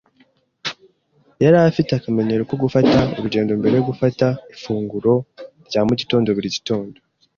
Yari afite akamenyero ko gufata urugendo mbere yo gufata ifunguro rya mu gitondo buri gitondo.